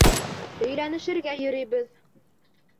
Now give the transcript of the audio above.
Өйләнешергә йөрөйбөҙ...